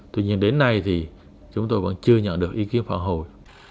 tuy nhiên đến nay thì chúng tôi vẫn chưa nhận được ý kiến phản hồi